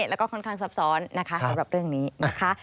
แล้วก็ค่อนข้างซับซ้อนนะคะสำหรับเรื่องนี้นะคะ